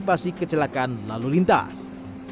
untuk mengantisipasi kecelakaan lalu lintas